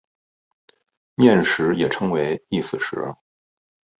念食也称为意思食。